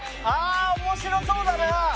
ああ面白そうだな！